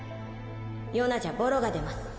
ヨナじゃボロが出ます